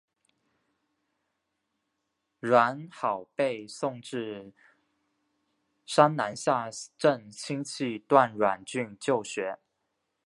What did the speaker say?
阮攸被送至山南下镇亲戚段阮俊就学。